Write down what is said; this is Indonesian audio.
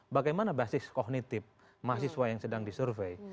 bagaimana basis kognitif mahasiswa yang sedang disurvey